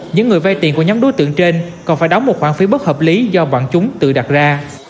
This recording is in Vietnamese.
những người vay tiền của nhóm đối tượng trên còn phải đóng một khoản phí bất hợp lý do bọn chúng tự đặt ra